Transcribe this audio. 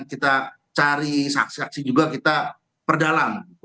kita cari saksi saksi juga kita perdalam